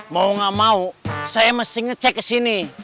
mau gak mau saya mesti ngecek ke sini